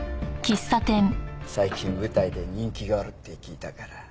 最近舞台で人気があるって聞いたから。